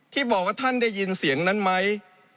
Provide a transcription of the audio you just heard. ที่บอกว่าท่านได้ยินเสียงนั้นไหม